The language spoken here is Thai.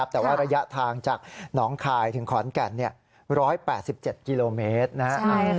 แต่ว่าระยะทางจากหนองคายถึงขอนแก่น๑๘๗กิโลเมตรนะครับ